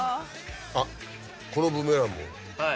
あっこのブーメランも。